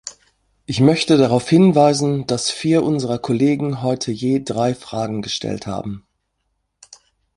Ich möchte darauf hinweisen, dass vier unserer Kollegen heute je drei Fragen gestellt haben.